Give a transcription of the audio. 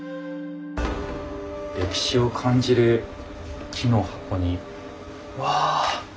歴史を感じる木の箱にわあ！